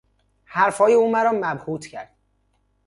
حرف های او مرا مبهوت کرد.